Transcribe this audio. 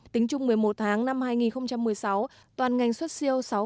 tính chung một mươi một tháng năm hai nghìn một mươi sáu toàn ngạch xuất siêu sáu chín mươi năm tỷ usd